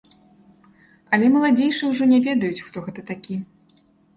Але маладзейшыя ўжо не ведаюць, хто гэта такі.